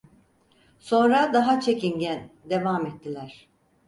Sonra daha çekingen, devam ettiler: